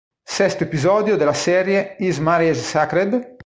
Sesto episodio della serie "Is Marriage Sacred?".